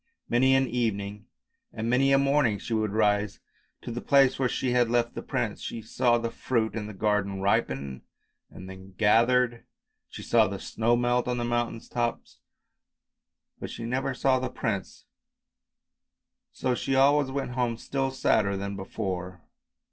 Many an evening and many a morning she would rise to the place where she had left the prince. She saw the fruit in the garden ripen, and then gathered, she saw the snow melt on the mountain tops, but she never saw the prince, so she always went home still sadder than before.